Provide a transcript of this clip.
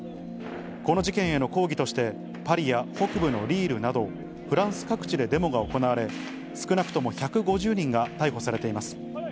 この事件への抗議として、パリや北部のリールなど、フランス各地でデモが行われ、少なくとも１５０人が逮捕されています。